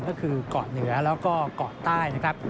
ก็คือเกาะเหนือแล้วก็เกาะใต้นะครับ